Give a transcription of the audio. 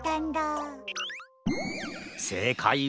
せいかいは？